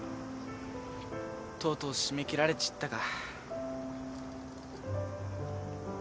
とうとう締め切られちったか。